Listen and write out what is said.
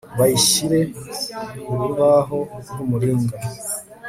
bayashyire ku rubaho rw'umuringa